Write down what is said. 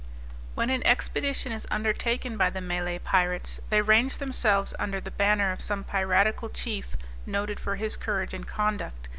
When an expedition is undertaken by the Malay pirates, they range themselves under the banner of some piratical chief noted for his courage and conduct.